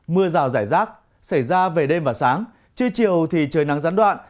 mưa rào rải rác xảy ra về đêm và sáng trưa chiều thì trời nắng gián đoạn